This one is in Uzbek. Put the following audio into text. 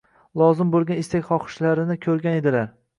lozim bo‘lgan istak-xohishlarini ko‘rgan edilar.